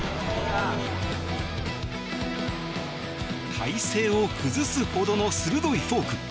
体勢を崩すほどの鋭いフォーク。